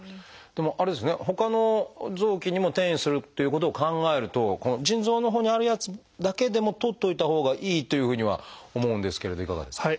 でもあれですねほかの臓器にも転移するっていうことを考えるとこの腎臓のほうにあるやつだけでもとっておいたほうがいいというふうには思うんですけれどいかがですか？